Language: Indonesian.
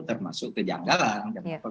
termasuk kejanggalan kenapa